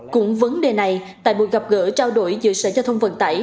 cũng vấn đề này tại buổi gặp gỡ trao đổi giữa sở giao thông vận tải